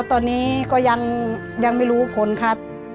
ตอนนี้ก็ยังไม่รู้ผลครับ